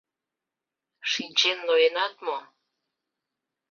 — Шинчен ноенат мо?